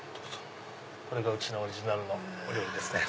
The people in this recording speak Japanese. うちのオリジナルのお料理ですね